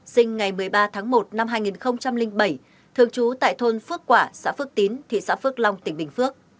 sinh ngày một mươi ba tháng một năm hai nghìn bảy thường trú tại thôn phước quả xã phước tín thị xã phước long tỉnh bình phước